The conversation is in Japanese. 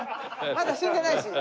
まだ死んでないし。